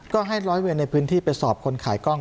ก็ให้ร้อยเวรในพื้นที่ไปสอบคนขายกล้อง